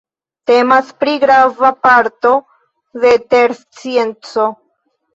Temas pri grava parto de terscienco.